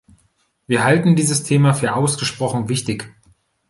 Wir halten dieses Thema für ausgesprochen wichtig.